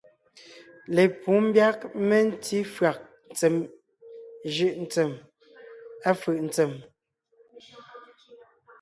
Lepǔ ḿbyág mentí fÿàg ntsèm jʉ̀’ ntsѐm, à fʉ̀’ ntsém.